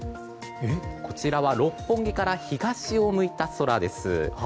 こちらは、六本木から東を向いた空です。